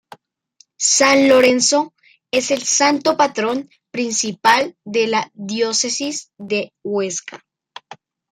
San Lorenzo es el santo patrón principal de la Diócesis de Huesca.